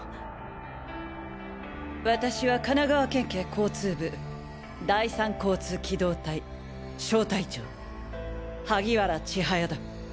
私は神奈川県警交通部第三交通機動隊小隊長萩原千速だ。